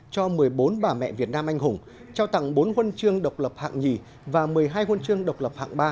cho một mươi bốn bà mẹ việt nam anh hùng trao tặng bốn huân chương độc lập hạng nhì và một mươi hai huân chương độc lập hạng ba